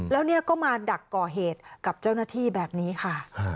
แล้วเนี่ยก็มาดักก่อเหตุกับเจ้าหน้าที่แบบนี้ค่ะ